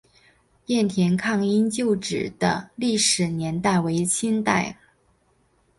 雁田抗英旧址的历史年代为清代。